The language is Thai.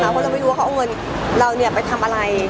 เพราะเราไม่รู้ว่าเขาเอาเงินเราไปทำอะไร